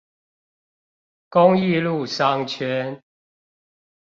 公益路商圈